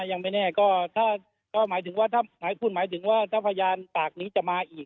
ยังไม่แน่หมายถึงว่าถ้าพยานตากนี้จะมาอีก